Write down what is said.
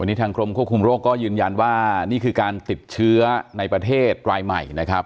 วันนี้ทางกรมควบคุมโรคก็ยืนยันว่านี่คือการติดเชื้อในประเทศรายใหม่นะครับ